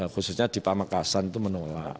khususnya di pamekasan itu menolak